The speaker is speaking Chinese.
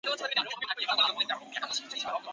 独立发展后把其原名吴家颖改用艺名吴雨霏。